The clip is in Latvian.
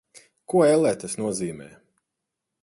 Ko, ellē, tas nozīmē?